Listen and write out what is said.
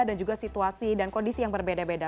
ada juga situasi dan kondisi yang berbeda beda